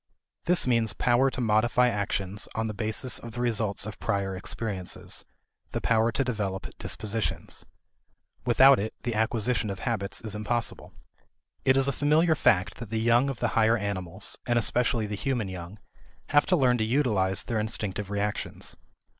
This means power to modify actions on the basis of the results of prior experiences, the power to develop dispositions. Without it, the acquisition of habits is impossible. It is a familiar fact that the young of the higher animals, and especially the human young, have to learn to utilize their instinctive reactions.